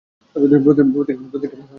প্রতিদিন প্রতিটা মুহূর্তে।